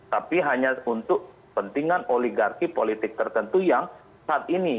tapi hanya untuk kepentingan oligarki politik tertentu yang saat ini